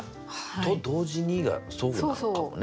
「と、同時に」がそうなのかもね。